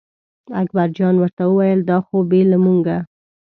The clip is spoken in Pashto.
اکبرجان ورته وویل دا خو بې له مونږه.